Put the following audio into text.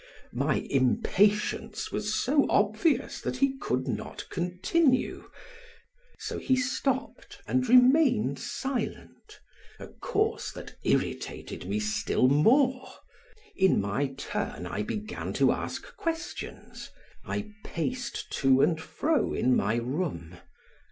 My impatience was so obvious that he could not continue, so he stopped and remained silent, a course that irritated me still more. In my turn I began to ask questions; I paced to and fro in my room.